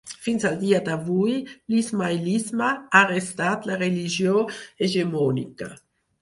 Fins al dia d'avui l'ismaïlisme ha restat la religió hegemònica.